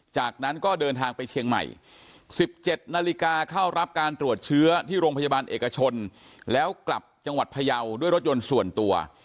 จากนั้นก็เดินทางไปเชียงใหม่๑๗นาฬิกาเข้ารับการตรวจเชื้อที่โรงพยาบาลเอกชนแล้วกลับจังหวัดพยาวด้วยรถยนต์ส่วนตัว